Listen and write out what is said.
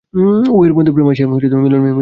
উভয়ের মধ্যে প্রেম আসিয়া মিলন সম্পাদন করে।